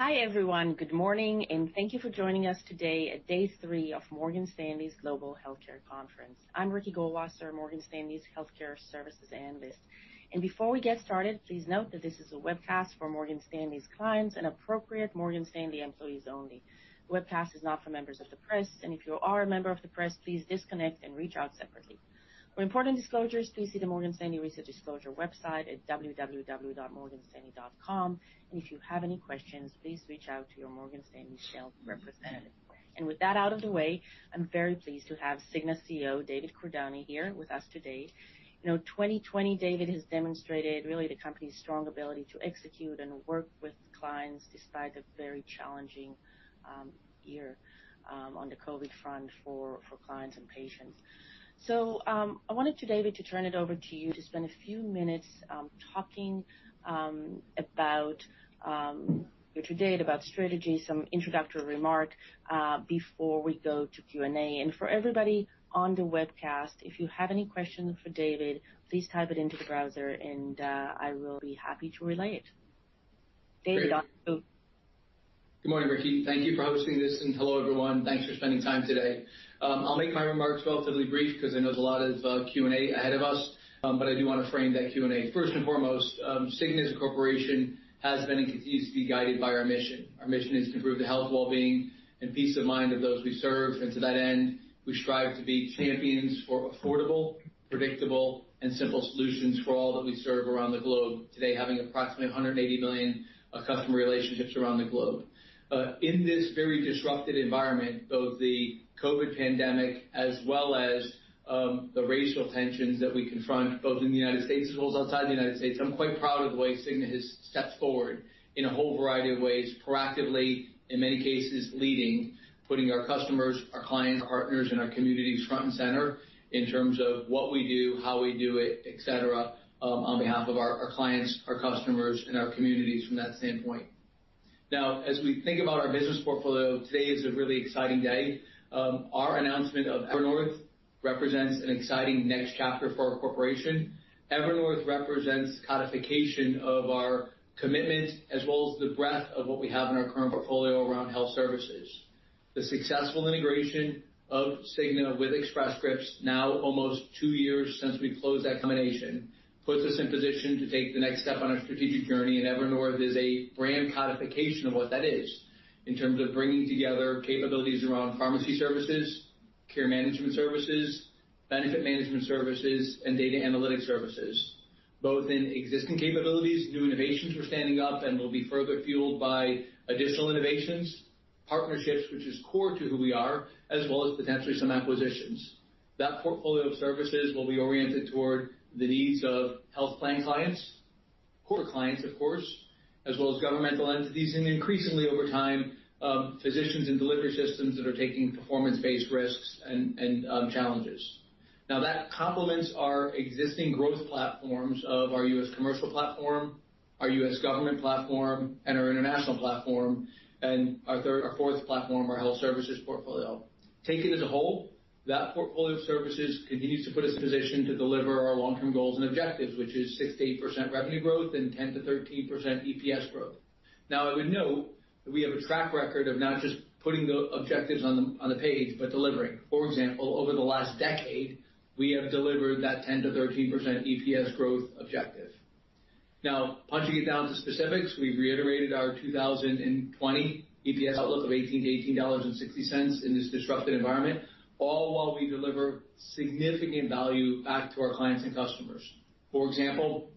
Hi, everyone. Good morning, and thank you for joining us today at day three of Morgan Stanley's Global Healthcare Conference. I'm Ricky Goldwasser, Morgan Stanley's Healthcare Services Analyst. Before we get started, please note that this is a webcast for Morgan Stanley's clients and appropriate Morgan Stanley employees only. The webcast is not for members of the press. If you are a member of the press, please disconnect and reach out separately. For important disclosures, please see the Morgan Stanley Research Disclosure website at www.morganstanley.com. If you have any questions, please reach out to your Morgan Stanley sales representative. With that out of the way, I'm very pleased to have Cigna CEO David Cordani here with us today. 2020, David, has demonstrated really the company's strong ability to execute and work with clients despite a very challenging year on the COVID front for clients and patients. I wanted to, David, turn it over to you to spend a few minutes talking about your to-date, about strategy, some introductory remarks before we go to Q&A. For everybody on the webcast, if you have any questions for David, please type it into the browser, and I will be happy to relay it. David, on you go. Good morning, Ricky. Thank you for hosting this. Hello, everyone. Thanks for spending time today. I'll make my remarks relatively brief because I know there's a lot of Q&A ahead of us. I do want to frame that Q&A. First and foremost, Cigna as a corporation has been and continues to be guided by our mission. Our mission is to improve the health, well-being, and peace of mind of those we serve. To that end, we strive to be champions for affordable, predictable, and simple solutions for all that we serve around the globe, today having approximately 180 million customer relationships around the globe. In this very disruptive environment, both the COVID pandemic as well as the racial tensions that we confront both in the United States. as well as outside the United States, I'm quite proud of the way Cigna has stepped forward in a whole variety of ways, proactively, in many cases leading, putting our customers, our clients, our partners, and our communities front and center in terms of what we do, how we do it, et cetera, on behalf of our clients, our customers, and our communities from that standpoint. Now, as we think about our business portfolio, today is a really exciting day. Our announcement of Evernorth represents an exciting next chapter for our corporation. Evernorth represents codification of our commitment as well as the breadth of what we have in our current portfolio around health services. The successful integration of Cigna with Express Scripts, now almost two years since we closed that combination, puts us in position to take the next step on our strategic journey. Evernorth is a brand codification of what that is in terms of bringing together capabilities around pharmacy services, care management services, benefit management services, and data analytics services, both in existing capabilities. New innovations are standing up and will be further fueled by additional innovations, partnerships, which is core to who we are, as well as potentially some acquisitions. That portfolio of services will be oriented toward the needs of health plan clients, core clients, of course, as well as governmental entities and increasingly over time, physicians and delivery systems that are taking performance-based risks and challenges. That complements our existing growth platforms of our U.S. commercial platform, our U.S. government platform, and our international platform, and our fourth platform, our health services portfolio. Taken as a whole, that portfolio of services continues to put us in a position to deliver our long-term goals and objectives, which is 6%-8% revenue growth and 10%-13% EPS growth. I would note that we have a track record of not just putting the objectives on the page but delivering. For example, over the last decade, we have delivered that 10%-13% EPS growth objective. Punching it down to specifics, we reiterated our 2020 EPS outlook of $18-$18.60 in this disruptive environment, all while we deliver significant value back to our clients and customers. For example,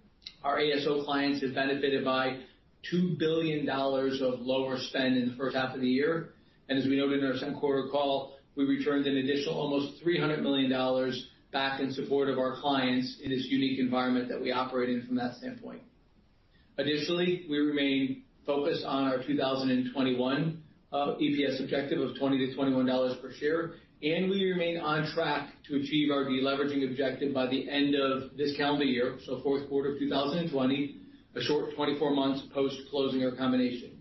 our ASO clients have benefited by $2 billion of lower spend in the first half of the year. As we noted in our second quarter call, we returned an additional almost $300 million back in support of our clients in this unique environment that we operate in from that standpoint. Additionally, we remain focused on our 2021 EPS objective of $20-$21 per share. We remain on track to achieve our deleveraging objective by the end of this calendar year, so fourth quarter of 2020, a short 24 months post-closing our combination.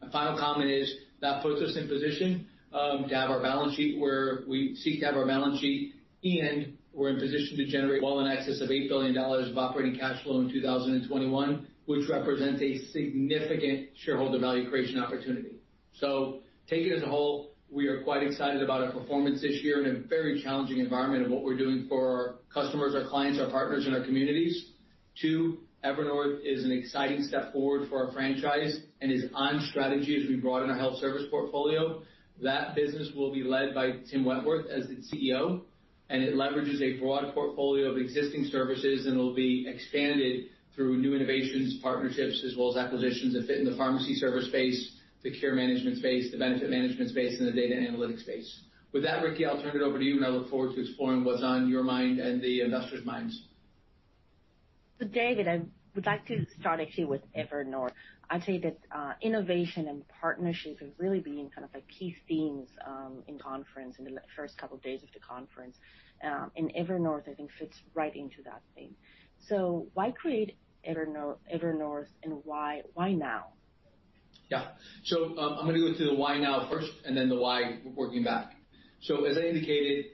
My final comment is that puts us in a position to have our balance sheet where we seek to have our balance sheet. We're in a position to generate well in excess of $8 billion of operating cash flow in 2021, which represents a significant shareholder value creation opportunity. Taken as a whole, we are quite excited about our performance this year in a very challenging environment of what we're doing for our customers, our clients, our partners, and our communities. Two, Evernorth is an exciting step forward for our franchise and is on strategy as we broaden our health service portfolio. That business will be led by Tim Wentworth as the CEO. It leverages a broad portfolio of existing services and will be expanded through new innovations, partnerships, as well as acquisitions that fit in the pharmacy services space, the care management space, the benefit management space, and the data analytics space. With that, Ricky, I'll turn it over to you. I look forward to exploring what's on your mind and the investors' minds. David, I would like to start actually with Evernorth. I'd say that innovation and partnership have really been kind of the key themes in the conference in the first couple of days of the conference. Evernorth, I think, fits right into that theme. Why create Evernorth? Why now? Yeah. I'm going to go to the why now first and then the why working back. As I indicated,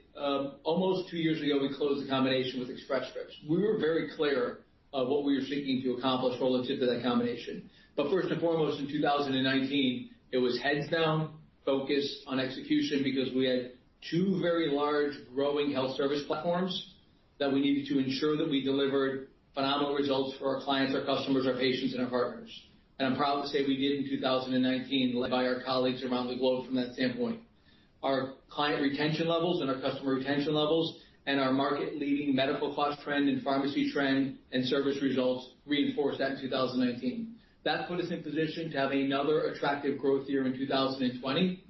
almost two years ago, we closed the combination with Express Scripts. We were very clear about what we were seeking to accomplish relative to that combination. First and foremost, in 2019, it was head-bound, focused on execution because we had two very large growing health service platforms that we needed to ensure delivered phenomenal results for our clients, our customers, our patients, and our partners. I'm proud to say we did in 2019, led by our colleagues around the globe from that standpoint. Our client retention levels and our customer retention levels and our market-leading medical cost trend and pharmacy trend and service results reinforced that in 2019. That put us in a position to have another attractive growth year in 2020,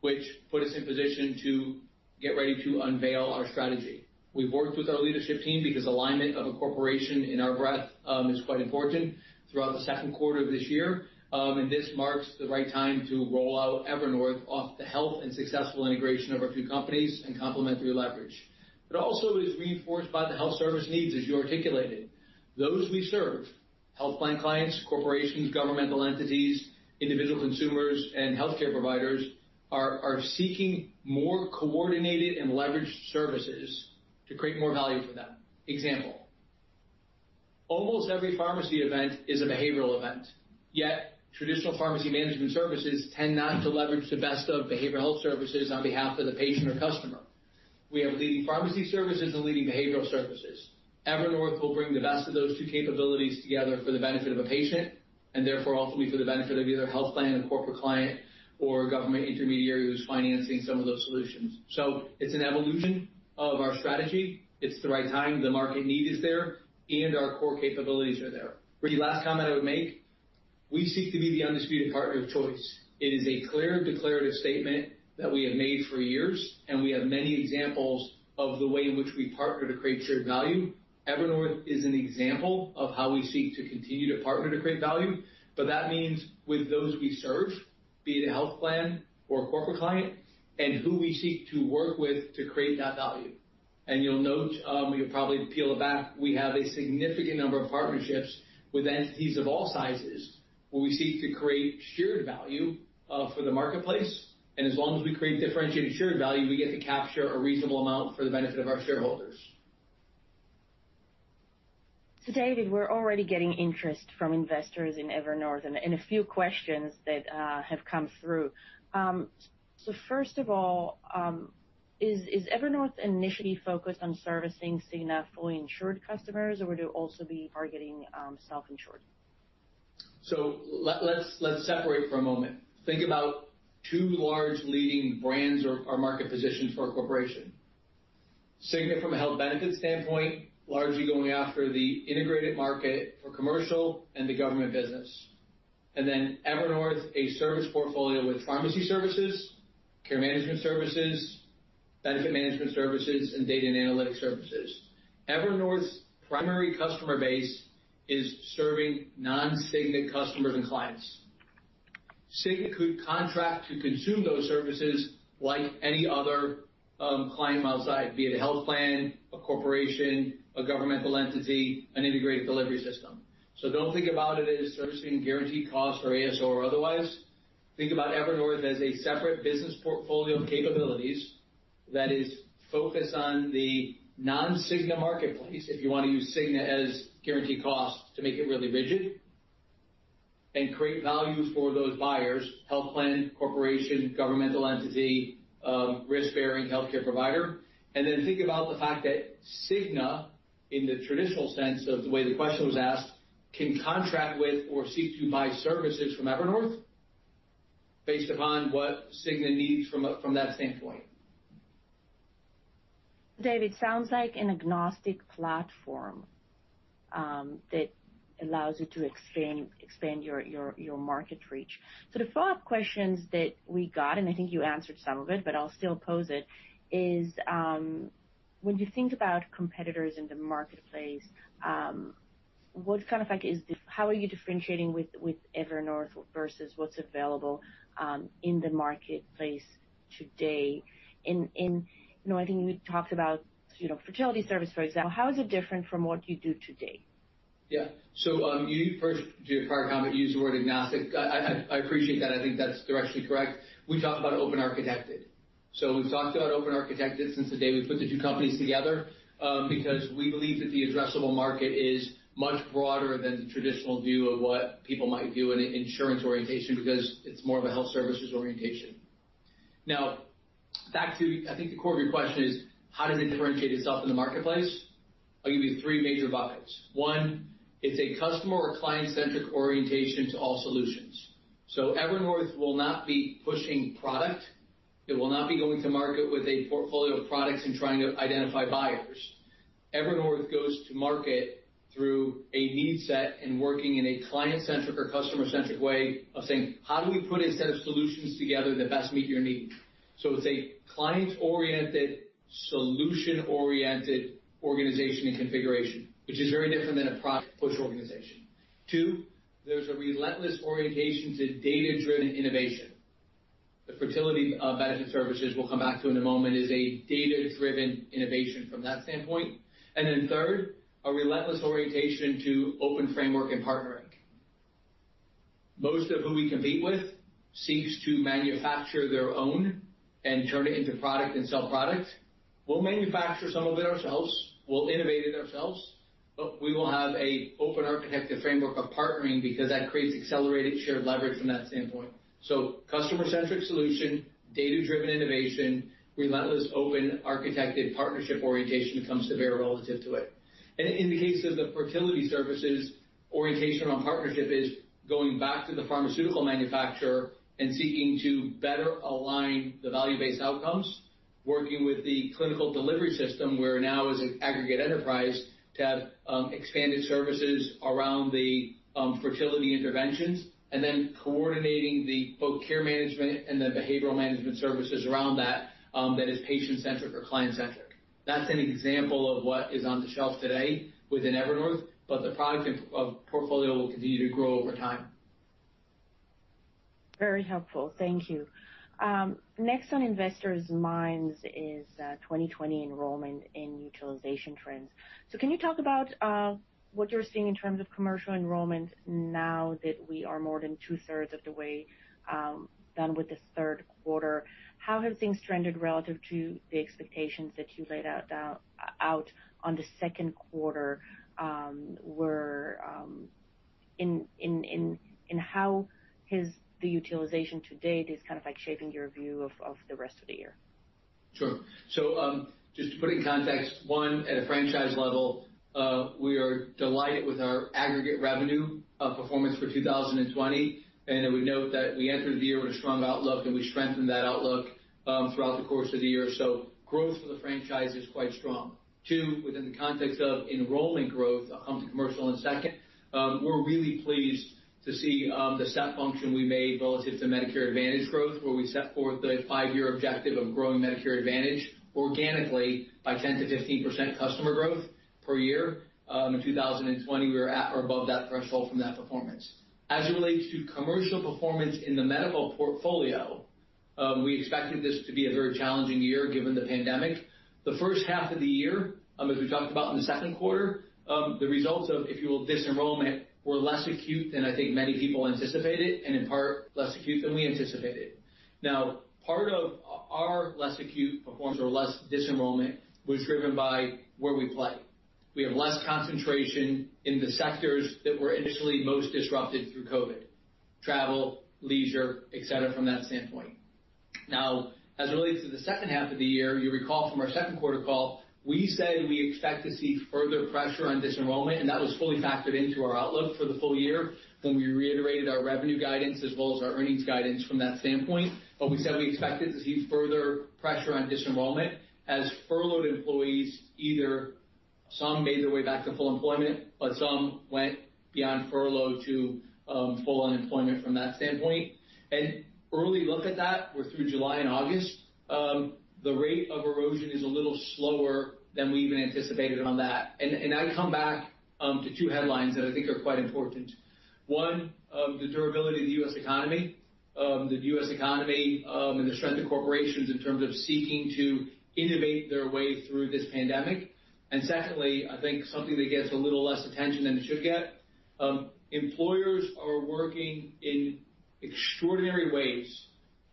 which put us in a position to get ready to unveil our strategy. We've worked with our leadership team because alignment of a corporation in our breadth is quite important throughout the second quarter of this year. This marks the right time to roll out Evernorth off the health and successful integration of our two companies and complementary leverage. It also is reinforced by the health service needs, as you articulated. Those we serve, health plan clients, corporations, governmental entities, individual consumers, and health care providers are seeking more coordinated and leveraged services to create more value for them. For example, almost every pharmacy event is a behavioral event. Yet traditional pharmacy management services tend not to leverage the best of behavioral health services on behalf of the patient or customer. We have leading pharmacy services and leading behavioral services. Evernorth will bring the best of those two capabilities together for the benefit of a patient and therefore ultimately for the benefit of either a health plan, a corporate client, or a government intermediary who's financing some of those solutions. It's an evolution of our strategy. It's the right time. The market need is there. Our core capabilities are there. Ricky, last comment I would make, we seek to be the undisputed partner of choice. It is a clear declarative statement that we have made for years. We have many examples of the way in which we partner to create shared value. Evernorth is an example of how we seek to continue to partner to create value. That means with those we serve, be it a health plan or a corporate client, and who we seek to work with to create that value. You'll note, you'll probably peel it back, we have a significant number of partnerships with entities of all sizes where we seek to create shared value for the marketplace. As long as we create differentiated shared value, we get to capture a reasonable amount for the benefit of our shareholders. David, we're already getting interest from investors in Evernorth and a few questions that have come through. First of all, is Evernorth initially focused on servicing Cigna fully insured customers? Would it also be targeting self-insured? Let's separate for a moment. Think about two large leading brands or market positions for our corporation. Cigna, from a health benefits standpoint, largely going after the integrated market for commercial and the government business. Then Evernorth, a service portfolio with pharmacy services, care management services, benefit management services, and data analytics services. Evernorth's primary customer base is serving non-Cigna customers and clients. Cigna contracts to consume those services like any other client milestone, be it a health plan, a corporation, a governmental entity, an integrated delivery system. Don't think about it as servicing guaranteed cost or ASO or otherwise. Think about Evernorth as a separate business portfolio of capabilities that is focused on the non-Cigna marketplace, if you want to use Cigna as guaranteed cost to make it really rigid, and create value for those buyers, health plan, corporation, governmental entity, risk-bearing healthcare provider. Think about the fact that Cigna, in the traditional sense of the way the question was asked, can contract with or seek to buy services from Evernorth based upon what Cigna needs from that standpoint. David, it sounds like an agnostic platform that allows you to expand your market reach. The follow-up questions that we got, and I think you answered some of it, but I'll still pose it, is when you think about competitors in the marketplace, what kind of like is how are you differentiating with Evernorth versus what's available in the marketplace today? I think you talked about fertility services, for example. How is it different from what you do today? Yeah. You first, do you have a hard time to use the word agnostic? I appreciate that. I think that's directly correct. We talk about open architected. We've talked about open architected since the day we put the two companies together because we believe that the addressable market is much broader than the traditional view of what people might view in an insurance orientation because it's more of a health services orientation. Now, back to I think the core of your question, how does it differentiate itself in the marketplace? I'll give you three major buckets. One, it's a customer or client-centric orientation to all solutions. So Evernorth will not be pushing product. It will not be going to market with a portfolio of products and trying to identify buyers. Evernorth goes to market through a need set and working in a client-centric or customer-centric way of saying, how do we put a set of solutions together that best meet your needs? It's a client-oriented, solution-oriented organization and configuration, which is very different than a product push organization. Two, there's a relentless orientation to data-driven innovation. The fertility management services we'll come back to in a moment is a data-driven innovation from that standpoint. Third, a relentless orientation to open framework and partnering. Most of whom we compete with seek to manufacture their own and turn it into product and sell product. We'll manufacture some of it ourselves. We'll innovate it ourselves. We will have an open architected framework of partnering because that creates accelerated shared leverage from that standpoint. Customer-centric solution, data-driven innovation, relentless open architected partnership orientation comes to bear relative to it. In the case of the fertility services, orientation around partnership is going back to the pharmaceutical manufacturer and seeking to better align the value-based outcomes, working with the clinical delivery system where now as an aggregate enterprise to have expanded services around the fertility interventions, and then coordinating the care management and the behavioral management services around that that is patient-centric or client-centric. That's an example of what is on the shelf today within Evernorth. The product portfolio will continue to grow over time. Very helpful. Thank you. Next on investors' minds is 2020 enrollment and utilization trends. Can you talk about what you're seeing in terms of commercial enrollment now that we are more than two-thirds of the way done with this third quarter? How have things trended relative to the expectations that you laid out on the second quarter? How has the utilization to date kind of shaped your view of the rest of the year? Sure. Just to put it in context, one, at a franchise level, we are delighted with our aggregate revenue performance for 2020. I would note that we entered the year with a strong outlook, and we strengthened that outlook throughout the course of the year. Growth for the franchise is quite strong. Two, within the context of enrollment growth, I'll come to commercial in a second. We're really pleased to see the step function we made relative to Medicare Advantage growth, where we set forth a five-year objective of growing Medicare Advantage organically by 10%-15% customer growth per year. In 2020, we were at or above that threshold from that performance. As it relates to commercial performance in the medical portfolio, we expected this to be a very challenging year given the pandemic. The first half of the year, as we talked about in the second quarter, the results of, if you will, disenrollment were less acute than I think many people anticipated and in part less acute than we anticipated. Part of our less acute performance or less disenrollment was driven by where we play. We have less concentration in the sectors that were initially most disrupted through COVID, travel, leisure, et cetera, from that standpoint. As it relates to the second half of the year, you recall from our second quarter call, we said we expect to see further pressure on disenrollment. That was fully factored into our outlook for the full year when we reiterated our revenue guidance as well as our earnings guidance from that standpoint. We said we expected to see further pressure on disenrollment as furloughed employees either some made their way back to full employment or some went beyond furlough to full unemployment from that standpoint. An early look at that, we're through July and August, the rate of erosion is a little slower than we even anticipated on that. I'd come back to two headlines that I think are quite important. One, the durability of the U.S. economy, the U.S. economy, and the strength of corporations in terms of seeking to innovate their way through this pandemic. Secondly, I think something that gets a little less attention than it should get, employers are working in extraordinary ways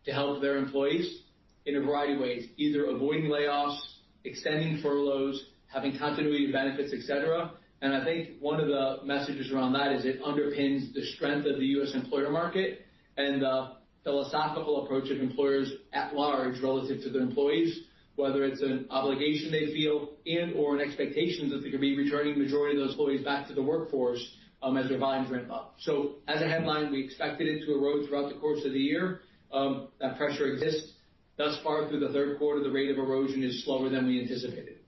to help their employees in a variety of ways, either avoiding layoffs, extending furloughs, having continuity of benefits, et cetera. I think one of the messages around that is it underpins the strength of the U.S. employer market and the philosophical approach of employers at large relative to their employees, whether it's an obligation they feel and/or an expectation that they're going to be returning the majority of those employees back to the workforce as their buying ramps up. As a headline, we expect it to erode throughout the course of the year. That pressure exists. Thus far, through the third quarter, the rate of erosion is slower than we anticipated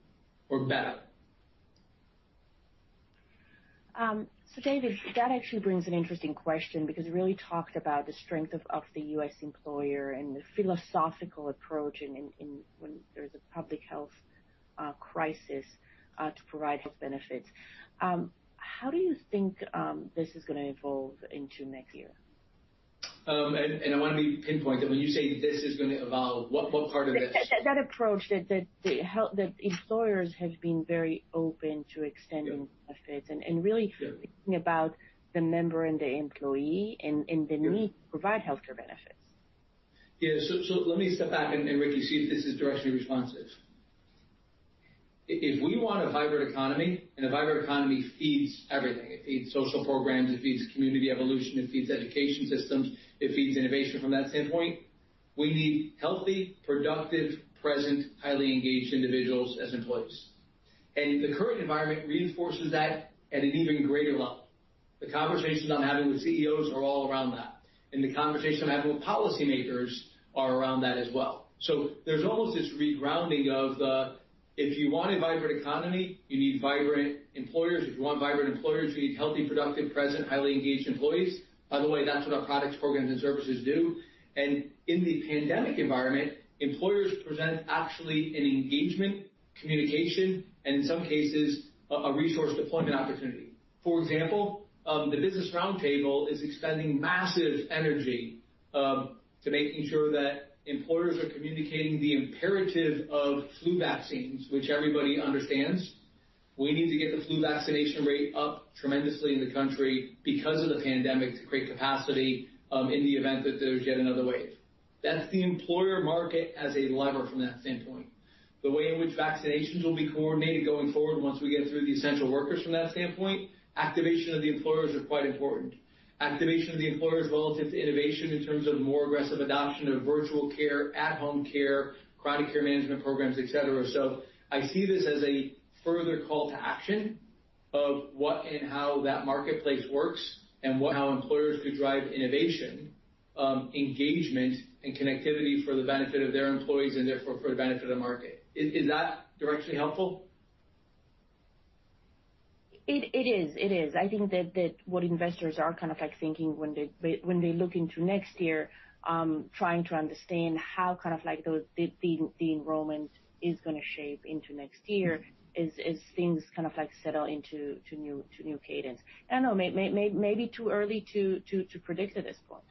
or better. David, that actually brings an interesting question because it really talks about the strength of the U.S. employer and the philosophical approach when there is a public health crisis to provide health benefits. How do you think this is going to evolve into next year? I want to pinpoint that when you say this is going to evolve, what part of this? That approach that the employers have been very open to, extending benefits and really thinking about the member and the employee and the need to provide health care benefits. Yeah. Let me step back and, Ricky, see if this is directly responsive. If we want a vibrant economy, and a vibrant economy feeds everything, it feeds social programs, it feeds community evolution, it feeds education systems, it feeds innovation from that standpoint, we need healthy, productive, present, highly engaged individuals as employees. The current environment reinforces that at an even greater level. The conversations I'm having with CEOs are all around that. The conversations I'm having with policymakers are around that as well. There is almost this regrounding of, if you want a vibrant economy, you need vibrant employers. If you want vibrant employers, you need healthy, productive, present, highly engaged employees. By the way, that's what our products, programs, and services do. In the pandemic environment, employers present actually an engagement, communication, and in some cases, a resource deployment opportunity. For example, the Business Roundtable is expending massive energy to making sure that employers are communicating the imperative of flu vaccines, which everybody understands. We need to get the flu vaccination rate up tremendously in the country because of the pandemic to create capacity in the event that there's yet another wave. That's the employer market as a lever from that standpoint. The way in which vaccinations will be coordinated going forward once we get through the essential workers from that standpoint, activation of the employers is quite important. Activation of the employers relative to innovation in terms of more aggressive adoption of virtual care, at-home care, chronic care management programs, et cetera. I see this as a further call to action of what and how that marketplace works and what how employers could drive innovation, engagement, and connectivity for the benefit of their employees and therefore for the benefit of the market. Is that directionally helpful? It is. I think that what investors are kind of like thinking when they look into next year, trying to understand how kind of like the enrollment is going to shape into next year as things kind of like settle into new cadence. I don't know. Maybe too early to predict at this point.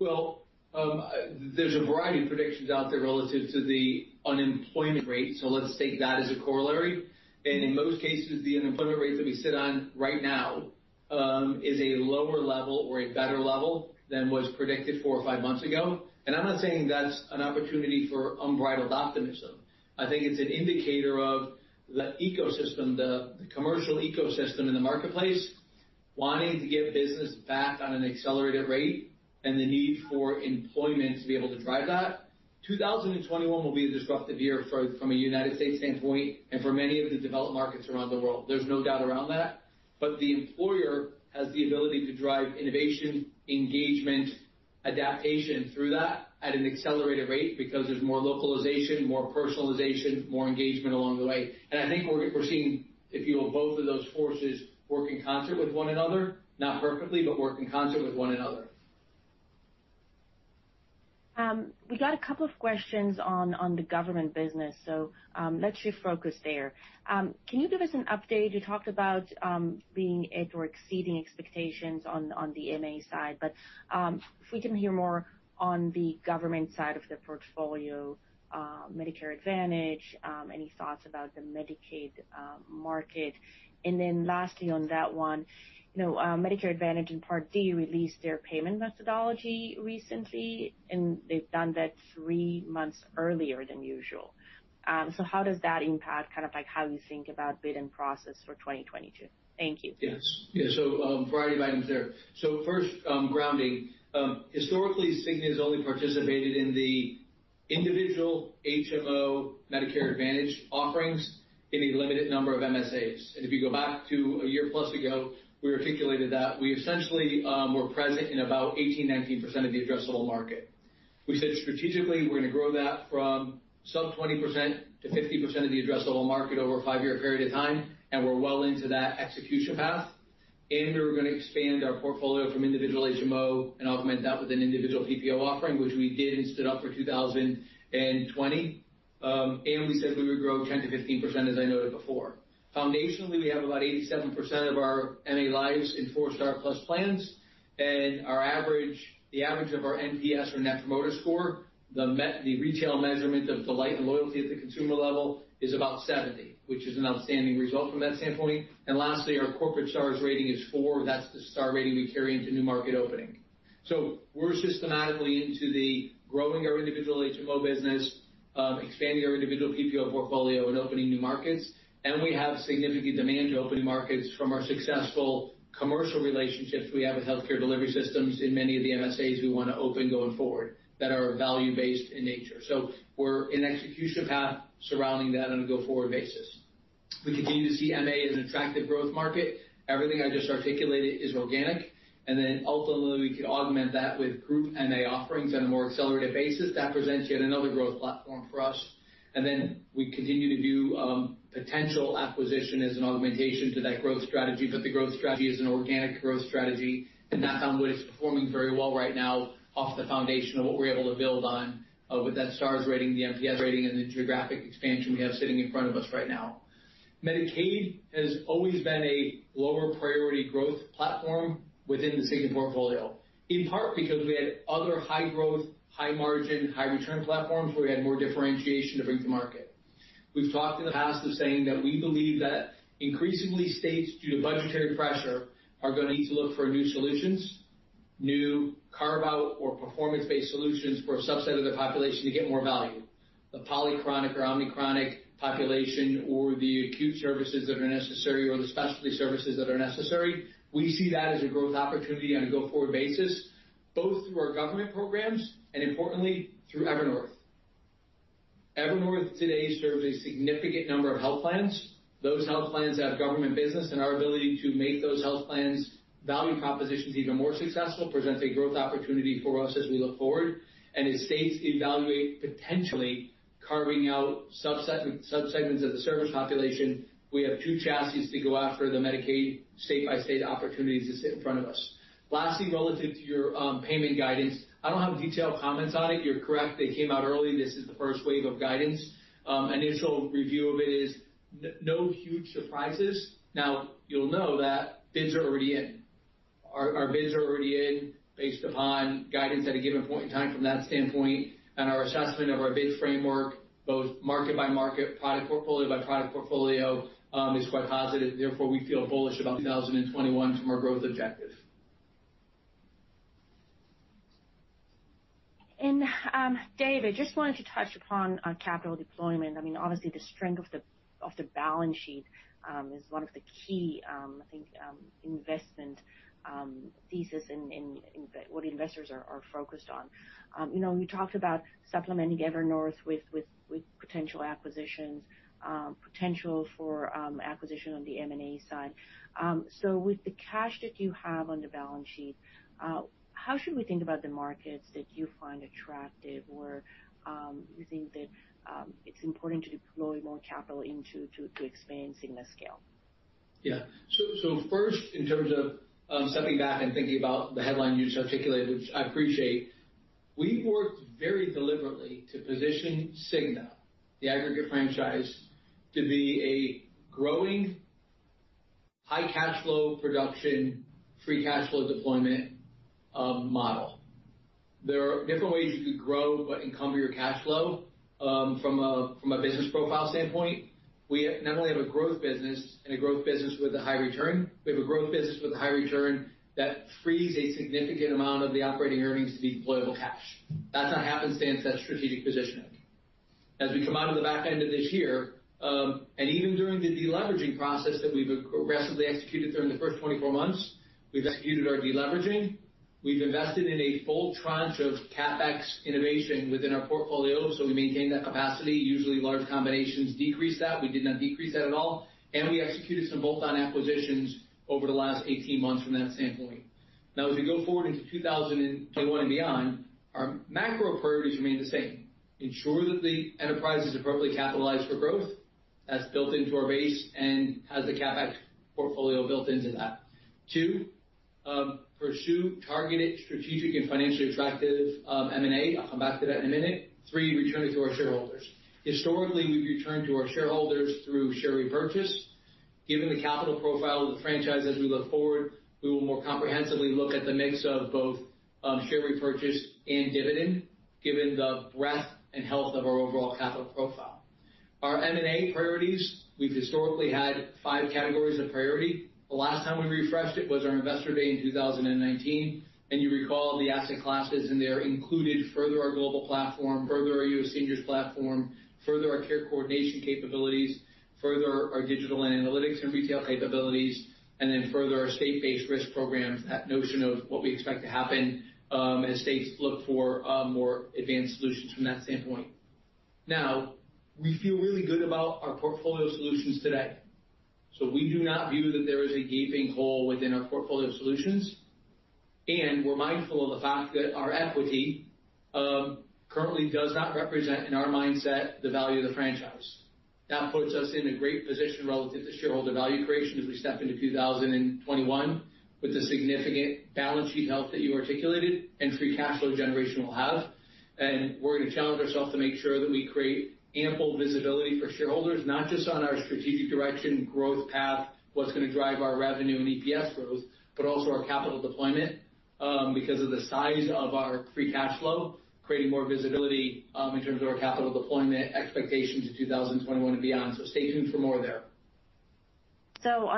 There is a variety of predictions out there relative to the unemployment rate. Let's take that as a corollary. In most cases, the unemployment rate that we sit on right now is a lower level or a better level than was predicted four or five months ago. I'm not saying that's an opportunity for unbridled optimism. I think it's an indicator of the ecosystem, the commercial ecosystem in the marketplace, wanting to get business back on an accelerated rate and the need for employment to be able to drive that. 2021 will be a disruptive year from a United States standpoint and for many of the developed markets around the world. There is no doubt around that. The employer has the ability to drive innovation, engagement, adaptation through that at an accelerated rate because there is more localization, more personalization, more engagement along the way. I think we're seeing, if you will, both of those forces work in concert with one another, not perfectly, but work in concert with one another. We got a couple of questions on the government business. Let's just focus there. Can you give us an update? You talked about being at or exceeding expectations on the MA side. If we can hear more on the government side of the portfolio, Medicare Advantage, any thoughts about the Medicaid market? Lastly, on that one, you know Medicare Advantage and Part D released their payment methodology recently. They've done that three months earlier than usual. How does that impact kind of like how you think about the bid and process for 2022? Thank you. Yes. Yeah. A variety of items there. First, grounding. Historically, Cigna has only participated in the individual HMO Medicare Advantage offerings in a limited number of MSAs. If you go back to a year plus ago, we articulated that we essentially were present in about 18%-19% of the addressable market. We said strategically, we're going to grow that from some 20%-50% of the addressable market over a five-year period of time. We're well into that execution path. We're going to expand our portfolio from individual HMO and augment that with an individual PPO offering, which we did and stood up for 2020. We said we would grow 10%-15%, as I noted before. Foundationally, we have about 87% of our MA lives in four-star plus plans. The average of our Net Promoter Score (NPS), the retail measurement of delight and loyalty at the consumer level, is about 70, which is an outstanding result from that standpoint. Lastly, our corporate star rating is 4. That's the star rating we carry into new market opening. We're systematically into growing our individual HMO business, expanding our individual PPO portfolio, and opening new markets. We have significant demand to open new markets from our successful commercial relationships we have with health care delivery systems in many of the MSAs we want to open going forward that are value-based in nature. We're in an execution path surrounding that on a go-forward basis. We continue to see MA as an attractive growth market. Everything I've just articulated is organic. Ultimately, we can augment that with group MA offerings on a more accelerated basis. That presents yet another growth platform for us. We continue to view potential acquisition as an augmentation to that growth strategy. The growth strategy is an organic growth strategy. That's on what is performing very well right now off the foundation of what we're able to build on with that star rating, the NPS rating, and the geographic expansion we have sitting in front of us right now. Medicaid has always been a lower priority growth platform within the Cigna portfolio, in part because we had other high growth, high margin, high return platforms where we had more differentiation to bring to the market. We've talked in the past of saying that we believe that increasingly states, due to the budgetary pressure, are going to need to look for new solutions, new carve-out or performance-based solutions for a subset of the population to get more value. The polychronic or omnichronic population or the acute services that are necessary or the specialty services that are necessary, we see that as a growth opportunity on a go-forward basis, both through our government programs and, importantly, through Evernorth. Evernorth today serves a significant number of health plans. Those health plans have government business, and our ability to make those health plans' value propositions even more successful presents a growth opportunity for us as we look forward. As states evaluate potentially carving out subsegments of the service population, we have two chassis to go after the Medicaid state-by-state opportunities that sit in front of us. Lastly, relative to your payment guidance, I don't have detailed comments on it. You're correct. They came out early. This is the first wave of guidance. Initial review of it is no huge surprises. You'll know that bids are already in. Our bids are already in based upon guidance at a given point in time from that standpoint, and our assessment of our bid framework, both market by market, product portfolio by product portfolio, is quite positive. Therefore, we feel bullish about 2021 from our growth objectives. David, I just wanted to touch upon capital deployment. Obviously, the strength of the balance sheet is one of the key, I think, investment thesis in what investors are focused on. You talked about supplementing Evernorth with potential acquisitions, potential for acquisition on the M&A side. With the cash that you have on the balance sheet, how should we think about the markets that you find attractive or you think that it's important to deploy more capital into expanding the scale? Yeah. First, in terms of stepping back and thinking about the headline you just articulated, which I appreciate, we worked very deliberately to position Cigna, the aggregate franchise, to be a growing high cash flow production, free cash flow deployment model. There are different ways you can grow but encumber your cash flow from a business profile standpoint. We not only have a growth business and a growth business with a high return, we have a growth business with a high return that frees a significant amount of the operating earnings to be deployable cash. That is not a happenstance, that is strategic positioning. As we come out on the back end of this year, and even during the deleveraging process that we've aggressively executed during the first 24 months, we've executed our deleveraging. We've invested in a full tranche of CapEx innovation within our portfolio so we maintain that capacity. Usually, large combinations decrease that. We did not decrease that at all. We executed some bolt-on acquisitions over the last 18 months from that standpoint. Now, as we go forward into 2021 and beyond, our macro priorities remain the same. Ensure that the enterprise is appropriately capitalized for growth. That is built into our base and has the CapEx portfolio built into that. Two, pursue targeted strategic and financially attractive M&A. I'll come back to that in a minute. Three, return it to our shareholders. Historically, we've returned to our shareholders through share repurchase. Given the capital profile of the franchise as we look forward, we will more comprehensively look at the mix of both share repurchase and dividend given the breadth and health of our overall capital profile. Our M&A priorities, we've historically had five categories of priority. The last time we refreshed it was our investor day in 2019. You recall the asset classes in there included further our global platform, further our U.S. Seniors platform, further our care coordination capabilities, further our digital and analytics and retail capabilities, and then further our state-based risk programs, that notion of what we expect to happen as states look for more advanced solutions from that standpoint. We feel really good about our portfolio solutions today. We do not view that there is a gaping hole within our portfolio solutions. We're mindful of the fact that our equity currently does not represent, in our mindset, the value of the franchise. That puts us in a great position relative to shareholder value creation as we step into 2021 with the significant balance sheet health that you articulated and free cash flow generation we'll have. We are going to challenge ourselves to make sure that we create ample visibility for shareholders, not just on our strategic direction, growth path, what's going to drive our revenue and EPS growth, but also our capital deployment because of the size of our free cash flow, creating more visibility in terms of our capital deployment expectations in 2021 and beyond. Stay tuned for more there. How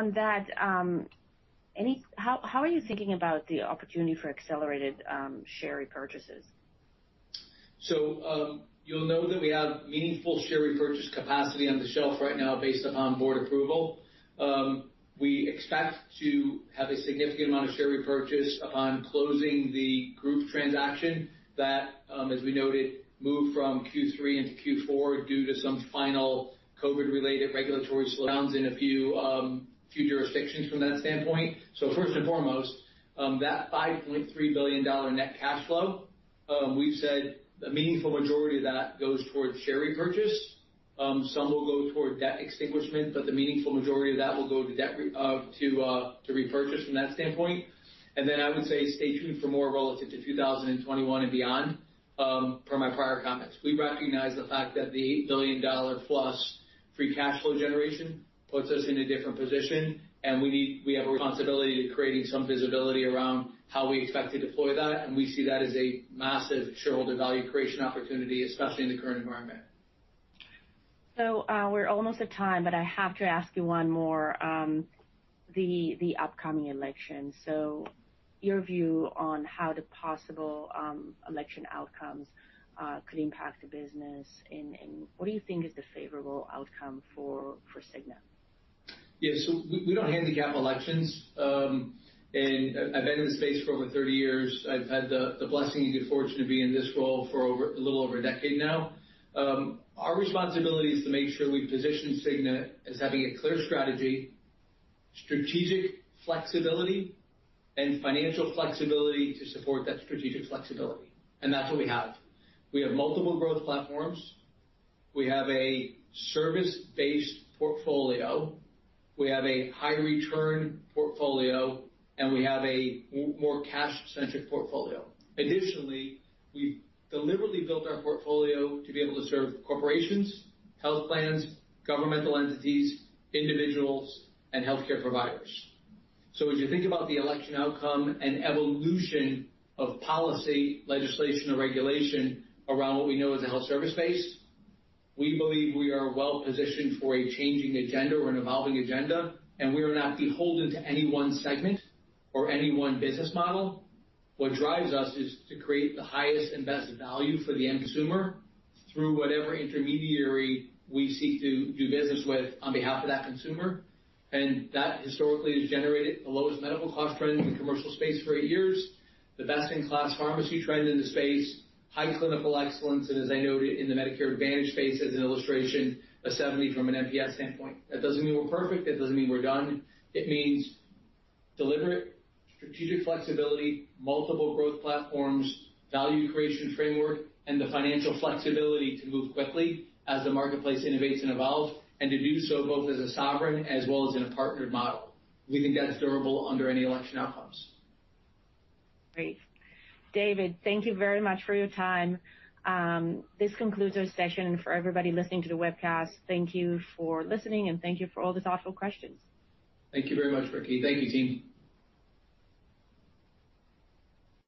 are you thinking about the opportunity for accelerated share repurchases? You know that we have meaningful share repurchase capacity on the shelf right now based upon board approval. We expect to have a significant amount of share repurchase upon closing the group transaction that, as we noted, moved from Q3 into Q4 due to some final COVID-related regulatory slowdowns in a few jurisdictions from that standpoint. First and foremost, that $5.3 billion net cash flow, we've said the meaningful majority of that goes towards share repurchase. Some will go toward debt extinguishment. The meaningful majority of that will go to repurchase from that standpoint. I would say stay tuned for more relative to 2021 and beyond per my prior comments. We recognize the fact that the $8 billion plus free cash flow generation puts us in a different position. We have a responsibility to creating some visibility around how we expect to deploy that. We see that as a massive shareholder value creation opportunity, especially in the current environment. We're almost at time. I have to ask you one more. The upcoming election, your view on how the possible election outcomes could impact the business. What do you think is the favorable outcome for Cigna? Yeah. We don't handicap elections. I've been in the space for over 30 years. I've had the blessing and good fortune to be in this role for a little over a decade now. Our responsibility is to make sure we position Cigna as having a clear strategy, strategic flexibility, and financial flexibility to support that strategic flexibility. That's what we have. We have multiple growth platforms, a service-based portfolio, a high-return portfolio, and a more cash-expensive portfolio. Additionally, we've deliberately built our portfolio to be able to serve corporations, health plans, governmental entities, individuals, and health care providers. As you think about the election outcome and evolution of policy, legislation, and regulation around what we know as a health service space, we believe we are well positioned for a changing agenda or an evolving agenda. We are not beholden to any one segment or any one business model. What drives us is to create the highest and best value for the end consumer through whatever intermediary we seek to do business with on behalf of that consumer. That historically has generated the lowest medical cost trend in the commercial space for eight years, the best-in-class pharmacy trend in the space, high clinical excellence, and as I noted in the Medicare Advantage space as an illustration, a 70 from an NPS standpoint. That doesn't mean we're perfect. That doesn't mean we're done. It means deliberate strategic flexibility, multiple growth platforms, value creation framework, and the financial flexibility to move quickly as the marketplace innovates and evolves and to do so both as a sovereign as well as in a partnered model. We think that's durable under any election outcomes. Great. David, thank you very much for your time. This concludes our session. For everybody listening to the webcast, thank you for listening, and thank you for all the thoughtful questions. Thank you very much, Ricky. Thank you, team.